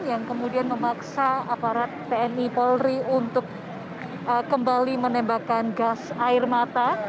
yang kemudian memaksa aparat tni polri untuk kembali menembakkan gas air mata